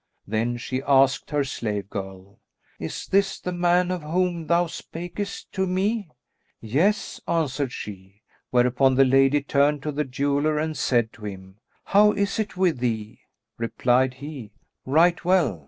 Then she asked her slave girl, "Is this the man of whom thou spakest to me?" "Yes," answered she; whereupon the lady turned to the jeweller and said to him, "How is it with thee?" Replied he, "Right well!